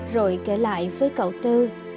rồi kể lại với cậu tư